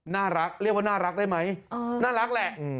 น่ารักเรียกว่าน่ารักได้ไหมน่ารักแหละ